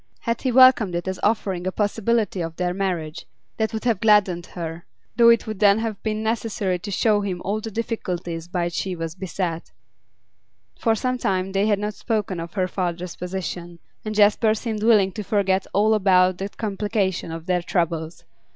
Had he welcomed it as offering a possibility of their marriage, that would have gladdened her, though it would then have been necessary to show him all the difficulties by which she was beset; for some time they had not spoken of her father's position, and Jasper seemed willing to forget all about that complication of their troubles.